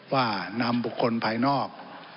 ว่านำบุคคลภายนอก